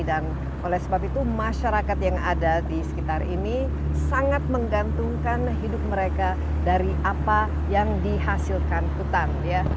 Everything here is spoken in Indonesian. dan oleh sebab itu masyarakat yang ada di sekitar ini sangat menggantungkan hidup mereka dari apa yang dihasilkan hutan